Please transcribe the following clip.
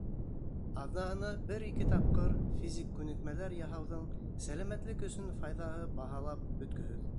Аҙнаһына бер-ике тапҡыр физик күнекмәләр яһауҙың сәләмәтлек өсөн файҙаһы баһалап бөткөһөҙ.